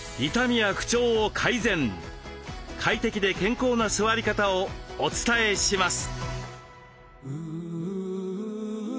快適で健康な座り方をお伝えします。